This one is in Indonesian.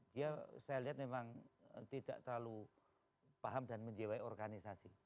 dia saya lihat memang tidak terlalu paham dan menjiwai organisasi